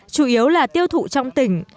chủ yếu là tiêu thụ trong tỉnh